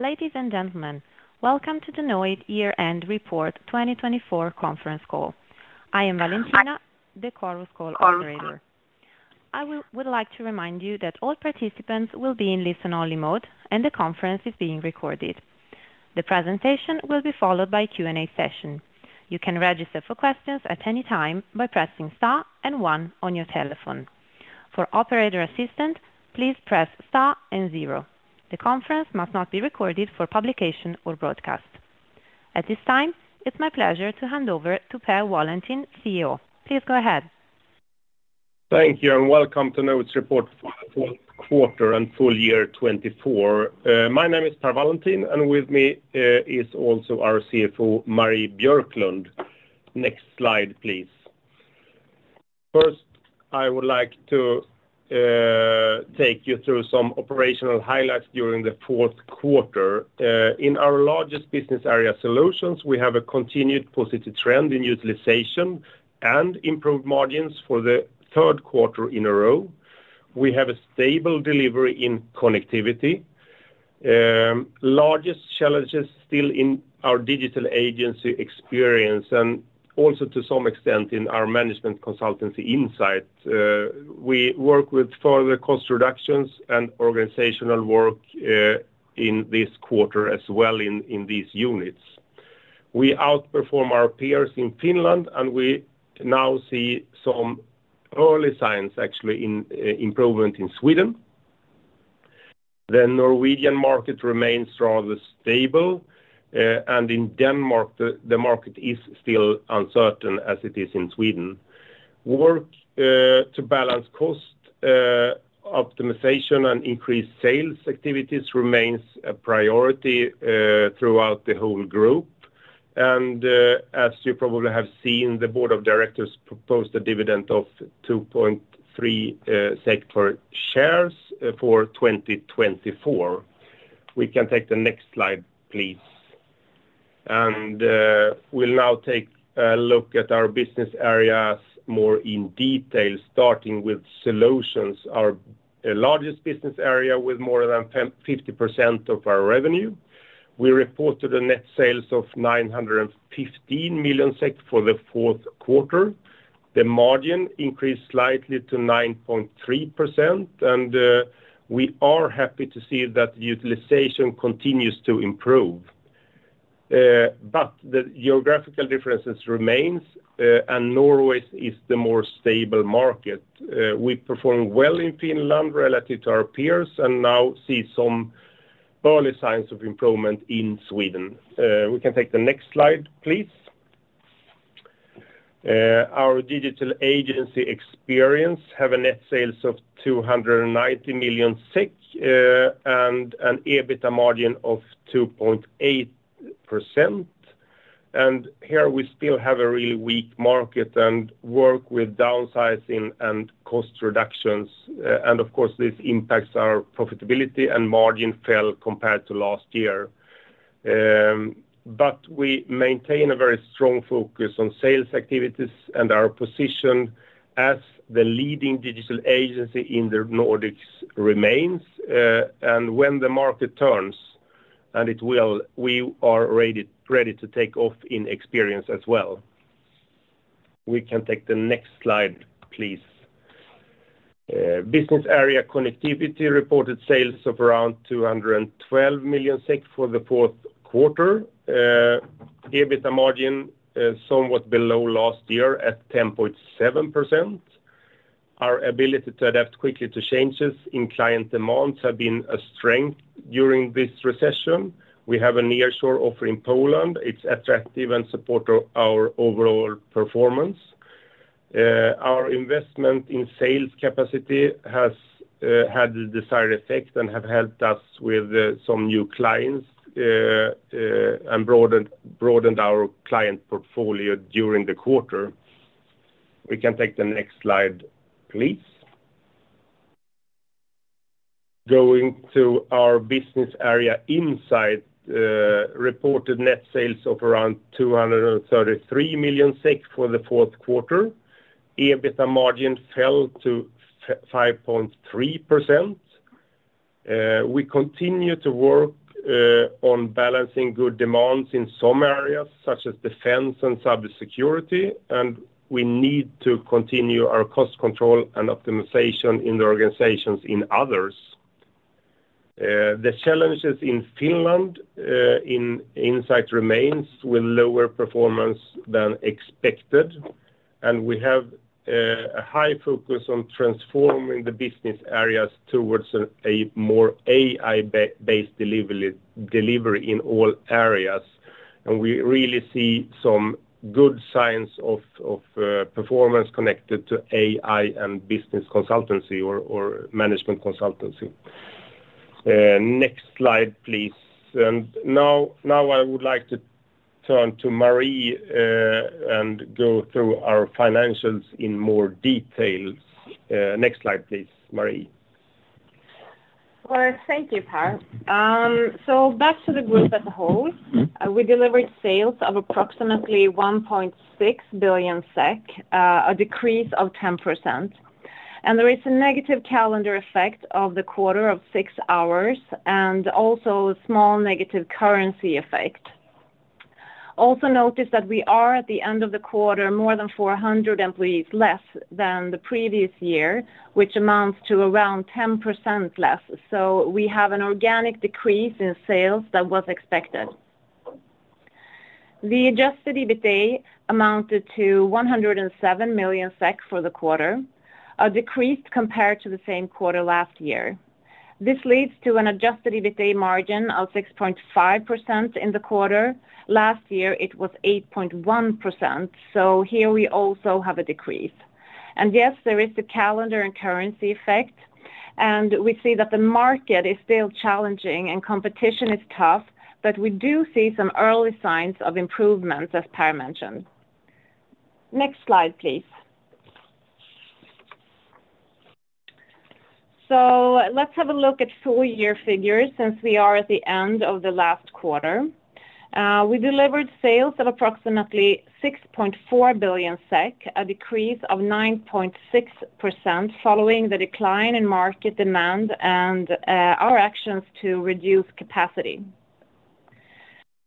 Ladies and gentlemen, welcome to the Knowit Year-End Report 2024 conference call. I am Valentina, the call operator. I would like to remind you that all participants will be in listen-only mode, and the conference is being recorded. The presentation will be followed by a Q&A session. You can register for questions at any time by pressing star and one on your telephone. For operator assistance, please press star and 0. The conference must not be recorded for publication or broadcast. At this time, it's my pleasure to hand over to Per Wallentin, CEO. Please go ahead. Thank you, and welcome to Knowit's Report for the fourth quarter and full year 2024. My name is Per Wallentin, and with me is also our CFO, Marie Björklund. Next slide, please. First, I would like to take you through some operational highlights during the fourth quarter. In our largest business area Solutions, we have a continued positive trend in utilization and improved margins for the third quarter in a row. We have a stable delivery in Connectivity. Largest challenges still in our digital agency Experience, and also to some extent in our management consultancy Insight. We work with further cost reductions and organizational work in this quarter as well in these units. We outperform our peers in Finland, and we now see some early signs, actually, in improvement in Sweden. The Norwegian market remains rather stable, and in Denmark, the market is still uncertain as it is in Sweden. Work to balance cost optimization and increased sales activities remains a priority throughout the whole group. And as you probably have seen, the board of directors proposed a dividend of 2.3 SEK per share for 2024. We can take the next slide, please. And we'll now take a look at our business areas more in detail, starting with Solutions, our largest business area with more than 50% of our revenue. We reported net sales of 915 million SEK for the fourth quarter. The margin increased slightly to 9.3%, and we are happy to see that utilization continues to improve. But the geographical differences remain, and Norway is the more stable market. We perform well in Finland relative to our peers and now see some early signs of improvement in Sweden. We can take the next slide, please. Our digital agency Experience has net sales of 290 million and an EBITDA margin of 2.8%. Here, we still have a really weak market and work with downsizing and cost reductions. Of course, this impacts our profitability, and margin fell compared to last year. We maintain a very strong focus on sales activities, and our position as the leading digital agency in the Nordics remains. When the market turns, and it will, we are ready to take off in Experience as well. We can take the next slide, please. Business area Connectivity reported sales of around 212 million SEK for the fourth quarter. EBITDA margin is somewhat below last year at 10.7%. Our ability to adapt quickly to changes in client demands has been a strength during this recession. We have a nearshore offer in Poland. It is attractive and supports our overall performance. Our investment in sales capacity has had the desired effect and has helped us with some new clients and broadened our client portfolio during the quarter. We can take the next slide, please. Going to our business area Insight, reported net sales of around 233 million SEK for the fourth quarter. EBITDA margin fell to 5.3%. We continue to work on balancing good demands in some areas, such as defense and cybersecurity, and we need to continue our cost control and optimization in the organizations in others. The challenges in Finland Insight remain with lower performance than expected, and we have a high focus on transforming the business areas towards a more AI-based delivery in all areas, and we really see some good signs of performance connected to AI and business consultancy or management consultancy. Next slide, please. And now I would like to turn to Marie and go through our financials in more detail. Next slide, please, Marie. Thank you, Per. Back to the group as a whole, we delivered sales of approximately 1.6 billion SEK, a decrease of 10%. There is a negative calendar effect of the quarter of six hours and also a small negative currency effect. Notice that we are at the end of the quarter, more than 400 employees less than the previous year, which amounts to around 10% less. We have an organic decrease in sales that was expected. The Adjusted EBITDA amounted to 107 million SEK for the quarter, a decrease compared to the same quarter last year. This leads to an Adjusted EBITDA margin of 6.5% in the quarter. Last year, it was 8.1%. Here, we also have a decrease. Yes, there is the calendar and currency effect, and we see that the market is still challenging and competition is tough, but we do see some early signs of improvements, as Per mentioned. Next slide, please. So let's have a look at full year figures since we are at the end of the last quarter. We delivered sales of approximately 6.4 billion SEK, a decrease of 9.6% following the decline in market demand and our actions to reduce capacity.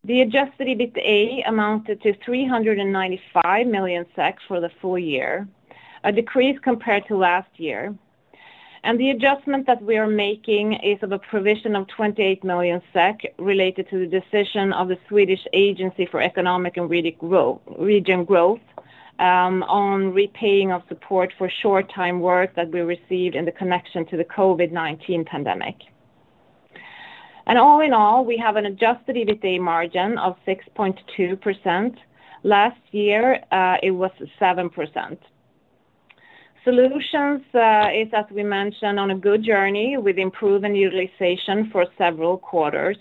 The adjusted EBITDA amounted to 395 million for the full year, a decrease compared to last year. And the adjustment that we are making is of a provision of 28 million related to the decision of the Swedish Agency for Economic and Regional Growth on repayment of support for short-time work that we received in connection to the COVID-19 pandemic. And all in all, we have an Adjusted EBITDA margin of 6.2%. Last year, it was 7%. Solutions is, as we mentioned, on a good journey with improved utilization for several quarters.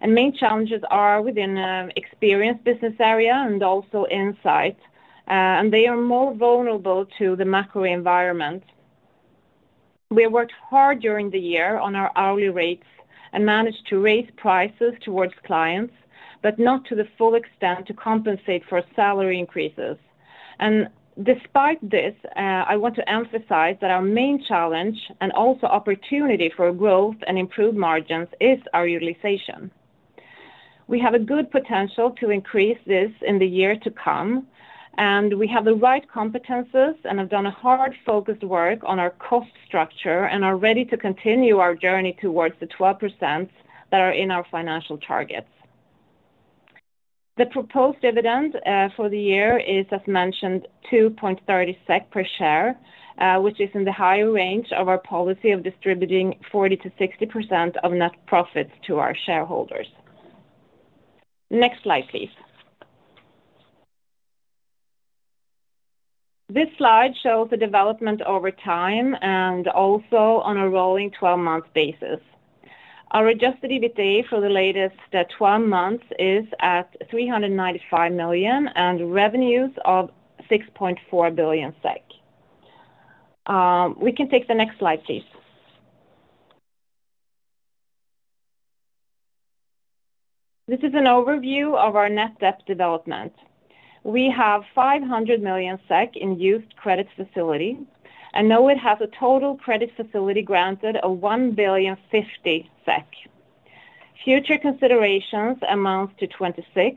And main challenges are within Experience business area and also Insight, and they are more vulnerable to the macro environment. We have worked hard during the year on our hourly rates and managed to raise prices towards clients, but not to the full extent to compensate for salary increases. And despite this, I want to emphasize that our main challenge and also opportunity for growth and improved margins is our utilization. We have a good potential to increase this in the year to come, and we have the right competencies and have done a hard-focused work on our cost structure and are ready to continue our journey towards the 12% that are in our financial targets. The proposed dividend for the year is, as mentioned, 2.30 SEK per share, which is in the higher range of our policy of distributing 40%-60% of net profits to our shareholders. Next slide, please. This slide shows the development over time and also on a rolling 12-month basis. Our adjusted EBITDA for the latest 12 months is at 395 million and revenues of 6.4 billion SEK. We can take the next slide, please. This is an overview of our net debt development. We have 500 million in used credit facilities, and Knowit has a total credit facility granted of 1.05 billion SEK. Future considerations amount to 26 million,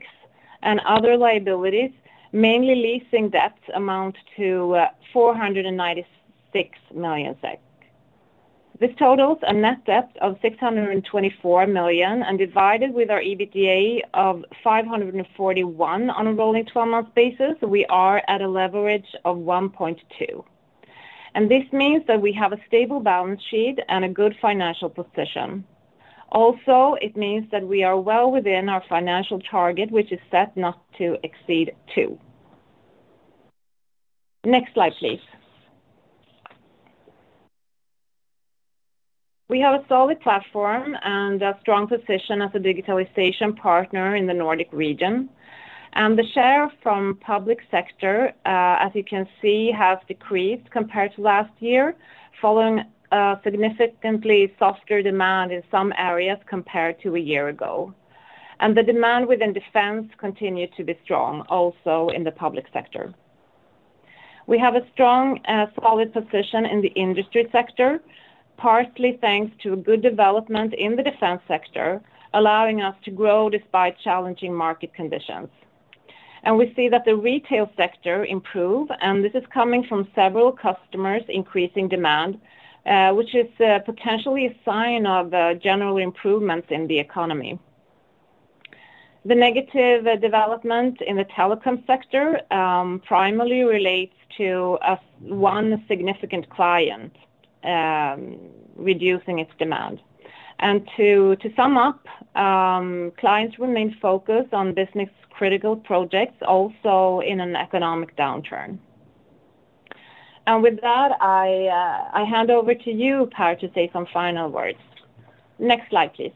and other liabilities, mainly leasing debts, amount to 496 million SEK. This totals a net debt of 624 million and divided by our EBITDA of 541 million on a rolling 12-month basis, we are at a leverage of 1.2. This means that we have a stable balance sheet and a good financial position. Also, it means that we are well within our financial target, which is set not to exceed two. Next slide, please. We have a solid platform and a strong position as a digitalization partner in the Nordic region. The share from public sector, as you can see, has decreased compared to last year, following significantly softer demand in some areas compared to a year ago. The demand within defense continued to be strong, also in the public sector. We have a strong, solid position in the industry sector, partly thanks to good development in the defense sector, allowing us to grow despite challenging market conditions. We see that the retail sector improved, and this is coming from several customers' increasing demand, which is potentially a sign of general improvements in the economy. The negative development in the telecom sector primarily relates to one significant client reducing its demand. And to sum up, clients remain focused on business-critical projects, also in an economic downturn. And with that, I hand over to you, Per, to say some final words. Next slide, please.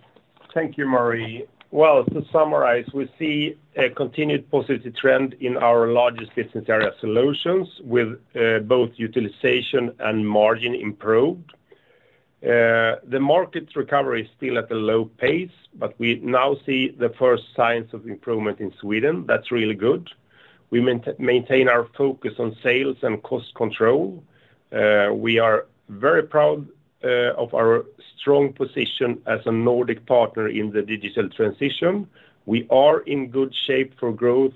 Thank you, Marie. To summarize, we see a continued positive trend in our largest business area Solutions with both utilization and margin improved. The market recovery is still at a low pace, but we now see the first signs of improvement in Sweden. That's really good. We maintain our focus on sales and cost control. We are very proud of our strong position as a Nordic partner in the digital transition. We are in good shape for growth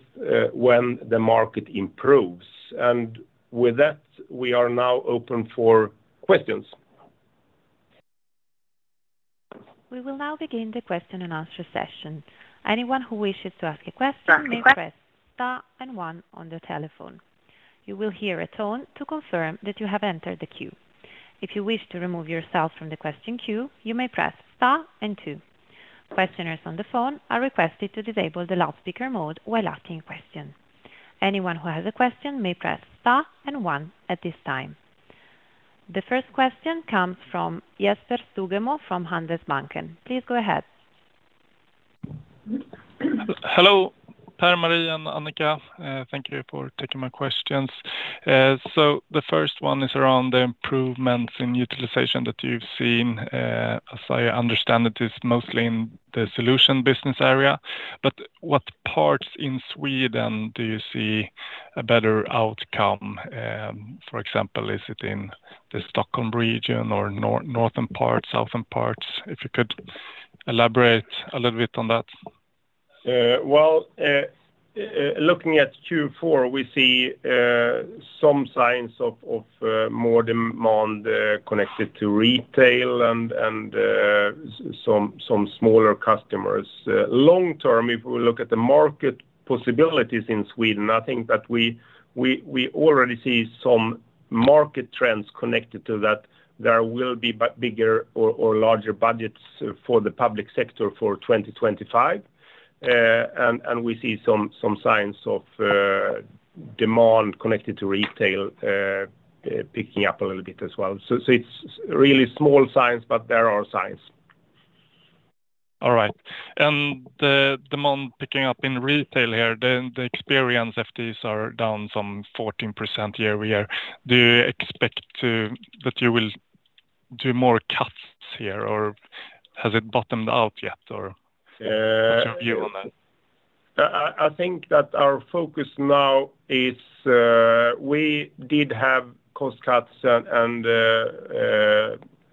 when the market improves. And with that, we are now open for questions. We will now begin the question and answer session. Anyone who wishes to ask a question may press star and one on the telephone. You will hear a tone to confirm that you have entered the queue. If you wish to remove yourself from the question queue, you may press star and two. Questioners on the phone are requested to disable the loudspeaker mode while asking questions. Anyone who has a question may press star and one at this time. The first question comes from Jesper Sugemo from Handelsbanken. Please go ahead. Hello, Per, Marie. Thank you for taking my questions. So the first one is around the improvements in utilization that you've seen. As I understand it, it's mostly in the solution business area. But what parts in Sweden do you see a better outcome? For example, is it in the Stockholm region or northern parts, southern parts? If you could elaborate a little bit on that. Looking at Q4, we see some signs of more demand connected to retail and some smaller customers. Long-term, if we look at the market possibilities in Sweden, I think that we already see some market trends connected to that. There will be bigger or larger budgets for the public sector for 2025. We see some signs of demand connected to retail picking up a little bit as well. It's really small signs, but there are signs. All right, and the demand picking up in retail here, the Experience FTEs are down some 14% year-over-year. Do you expect that you will do more cuts here, or has it bottomed out yet, or what's your view on that? I think that our focus now is we did have cost cuts, and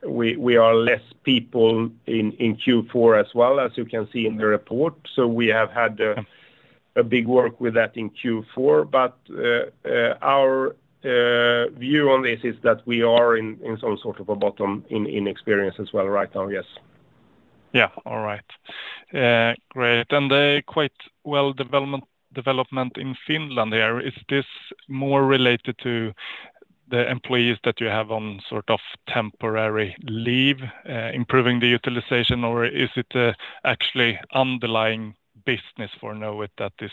we are less people in Q4 as well, as you can see in the report. So we have had a big work with that in Q4. But our view on this is that we are in some sort of a bottom in Experience as well right now, yes. Yeah. All right. Great. And the quite good development in Finland here, is this more related to the employees that you have on sort of temporary leave improving the utilization, or is it actually underlying business for Knowit that is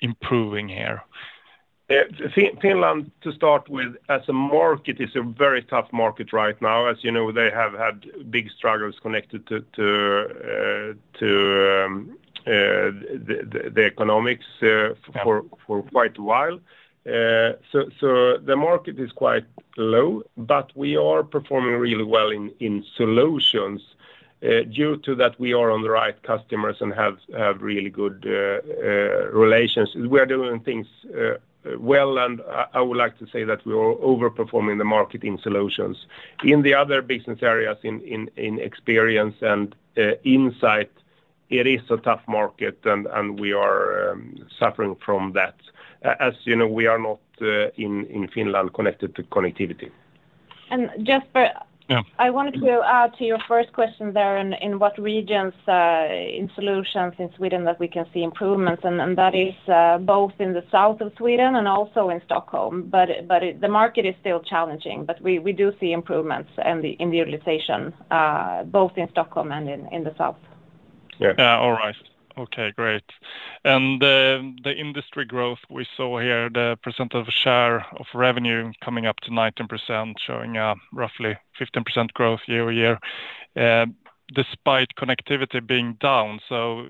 improving here? Finland, to start with, as a market, is a very tough market right now. As you know, they have had big struggles connected to the economics for quite a while. So the market is quite low, but we are performing really well in Solutions due to that we are on the right customers and have really good relations. We are doing things well, and I would like to say that we are overperforming the market in Solutions. In the other business areas, in Experience and Insight, it is a tough market, and we are suffering from that. As you know, we are not in Finland connected to Connectivity. And Jesper, I wanted to add to your first question there in what regions in Solutions in Sweden that we can see improvements, and that is both in the south of Sweden and also in Stockholm. But the market is still challenging, but we do see improvements in the utilization, both in Stockholm and in the south. Yeah. All right. Okay. Great. And the industry growth we saw here, the percent of share of revenue coming up to 19%, showing roughly 15% growth year-over-year, despite Connectivity being down. So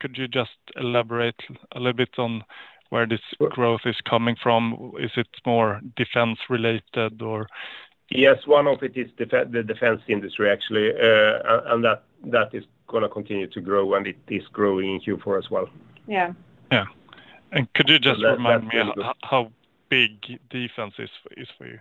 could you just elaborate a little bit on where this growth is coming from? Is it more defense-related, or? Yes. One of it is the defense industry, actually, and that is going to continue to grow, and it is growing in Q4 as well. Yeah. Yeah, and could you just remind me how big defense is for you?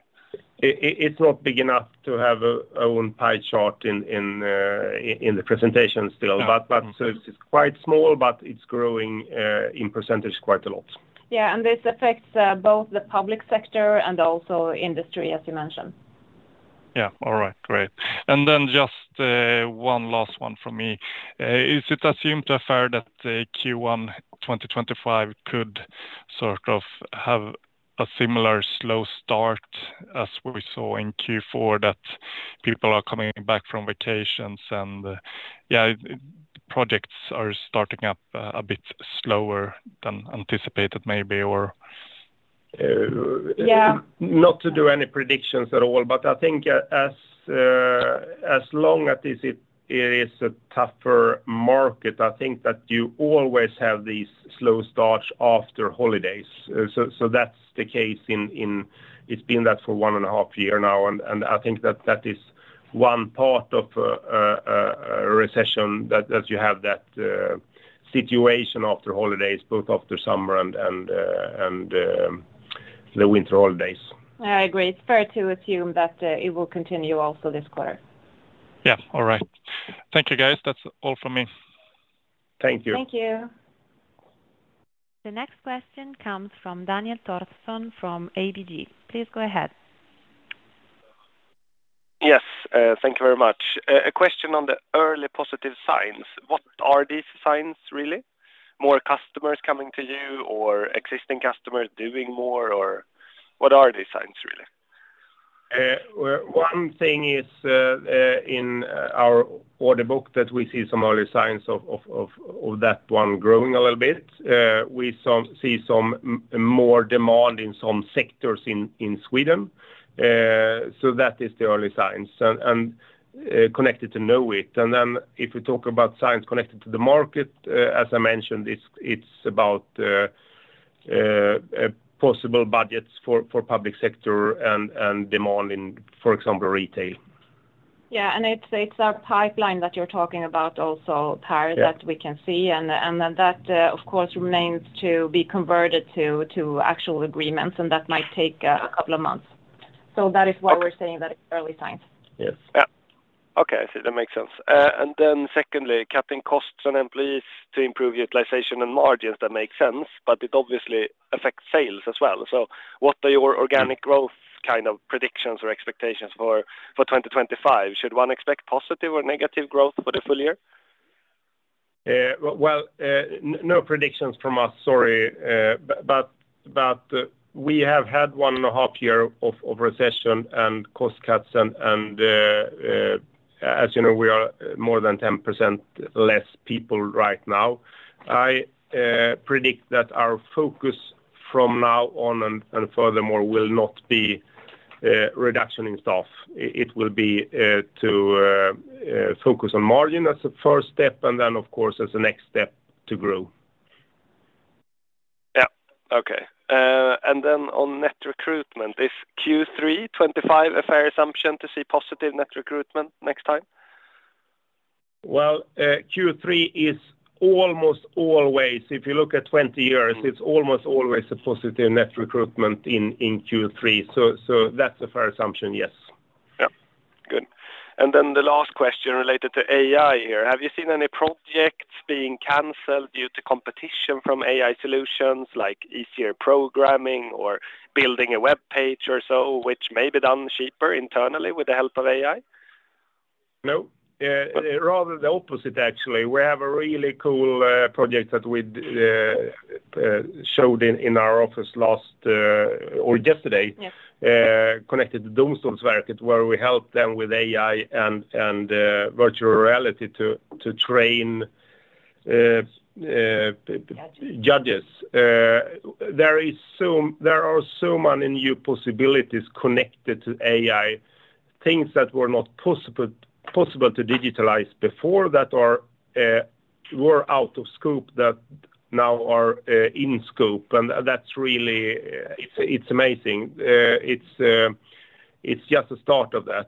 It's not big enough to have our own pie chart in the presentation still, but so it's quite small, but it's growing in percentage quite a lot. Yeah, and this affects both the public sector and also industry, as you mentioned. Yeah. All right. Great. And then just one last one from me. Is it assumed that Q1 2025 could sort of have a similar slow start as we saw in Q4, that people are coming back from vacations and, yeah, projects are starting up a bit slower than anticipated maybe, or? Yeah. Not to do any predictions at all, but I think as long as it is a tougher market, I think that you always have these slow starts after holidays. So that's the case. It's been that for one and a half years now, and I think that that is one part of a recession, that you have that situation after holidays, both after summer and the winter holidays. I agree. It's fair to assume that it will continue also this quarter. Yeah. All right. Thank you, guys. That's all from me. Thank you. Thank you. The next question comes from Daniel Thorsson from ABG. Please go ahead. Yes. Thank you very much. A question on the early positive signs. What are these signs, really? More customers coming to you or existing customers doing more, or what are these signs, really? One thing is in our order book that we see some early signs of that one growing a little bit. We see some more demand in some sectors in Sweden. So that is the early signs connected to Knowit. And then if we talk about signs connected to the market, as I mentioned, it's about possible budgets for public sector and demand in, for example, retail. Yeah, and it's a pipeline that you're talking about also, Per, that we can see, and that, of course, remains to be converted to actual agreements, and that might take a couple of months, so that is why we're saying that it's early signs. Yes. Yeah. Okay. I see. That makes sense. And then secondly, cutting costs on employees to improve utilization and margins, that makes sense, but it obviously affects sales as well. So what are your organic growth kind of predictions or expectations for 2025? Should one expect positive or negative growth for the full year? No predictions from us, sorry, but we have had one and a half years of recession and cost cuts, and as you know, we are more than 10% less people right now. I predict that our focus from now on and furthermore will not be reduction in staff. It will be to focus on margin as a first step and then, of course, as a next step to grow. Yeah. Okay. And then on net recruitment, is Q3 2025 a fair assumption to see positive net recruitment next time? Q3 is almost always, if you look at 20 years, it's almost always a positive net recruitment in Q3. So that's a fair assumption, yes. Yeah. Good. And then the last question related to AI here. Have you seen any projects being canceled due to competition from AI solutions like easier programming or building a web page or so, which may be done cheaper internally with the help of AI? No. Rather the opposite, actually. We have a really cool project that we showed in our office last or yesterday, connected to Domstolsverket, where we helped them with AI and virtual reality to train judges. There are so many new possibilities connected to AI, things that were not possible to digitalize before that were out of scope that now are in scope. And that's really amazing. It's just the start of that.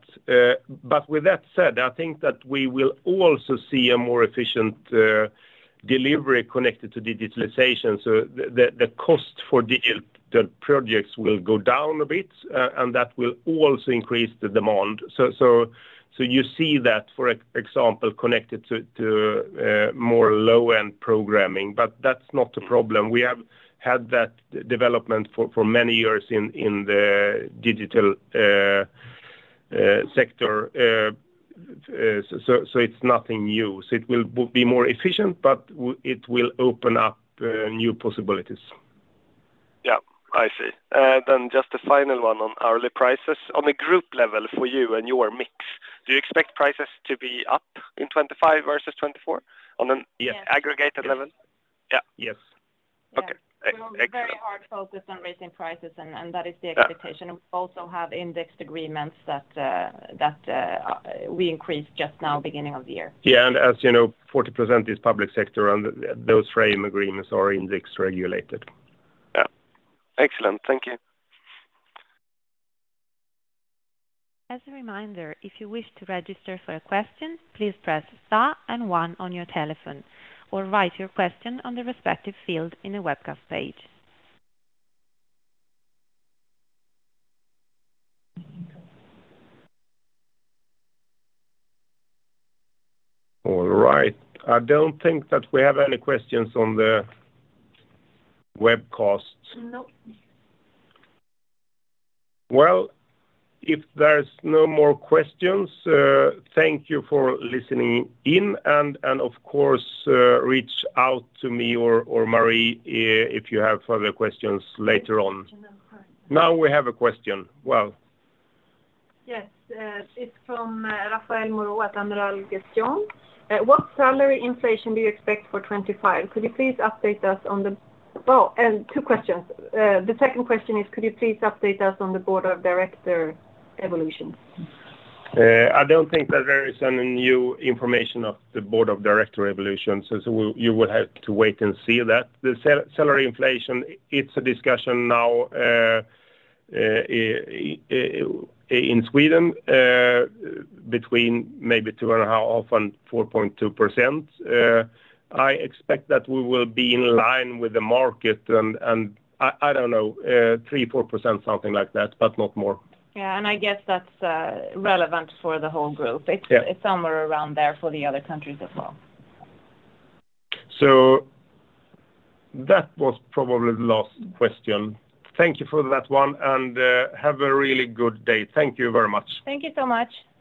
But with that said, I think that we will also see a more efficient delivery connected to digitalization. So the cost for digital projects will go down a bit, and that will also increase the demand. So you see that, for example, connected to more low-end programming, but that's not a problem. We have had that development for many years in the digital sector, so it's nothing new. It will be more efficient, but it will open up new possibilities. Yeah. I see. Then just the final one on hourly prices. On the group level for you and your mix, do you expect prices to be up in 2025 versus 2024 on an aggregated level? Yes. Yes. Yeah. Okay. Excellent. We're very hard-focused on raising prices, and that is the expectation. We also have indexed agreements that we increased just now, beginning of the year. Yeah. And as you know, 40% is public sector, and those frame agreements are indexed regulated. Yeah. Excellent. Thank you. As a reminder, if you wish to register for a question, please press star and one on your telephone or write your question on the respective field in the webcast page. All right. I don't think that we have any questions on the webcast. No. If there's no more questions, thank you for listening in, and of course, reach out to me or Marie if you have further questions later on. Now we have a question. Yes. It's from Rafael Moro at Andbank. What salary inflation do you expect for 25? Could you please update us on the, oh, and two questions. The second question is, could you please update us on the board of director evolution? I don't think that there is any new information of the board of directors' election, so you will have to wait and see that. The salary inflation, it's a discussion now in Sweden between maybe 2.5% and 4.2%. I expect that we will be in line with the market, and I don't know, 3%-4%, something like that, but not more. Yeah. And I guess that's relevant for the whole group. It's somewhere around there for the other countries as well. So that was probably the last question. Thank you for that one, and have a really good day. Thank you very much. Thank you so much.